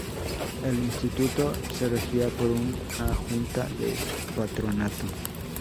El Instituto se regía por una Junta de Patronato.